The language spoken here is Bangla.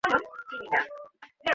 ব্যাংকক থেকে তো আরো আনতে পাঠিয়েছিলাম।